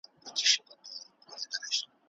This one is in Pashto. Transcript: څه شی د اقلیتونو ژبي ژوندۍ ساتي؟